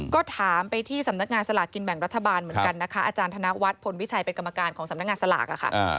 ก็ถามไปที่สำนักงานสลากกินแบ่งรัฐบาลเหมือนกันนะคะอาจารย์ธนวัฒน์พลวิชัยเป็นกรรมการของสำนักงานสลากค่ะ